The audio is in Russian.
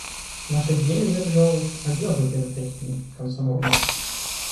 Наших дней залежалых одёжу перетряхни, комсомолия!